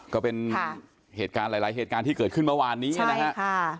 ก็เป็นเหตุการณ์หลายเหตุการณ์ที่เกิดขึ้นเมื่อวานนี้นะครับ